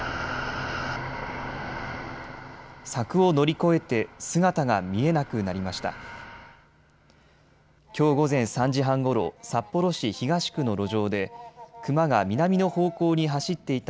柵を乗り越えて姿が見えなくなりました。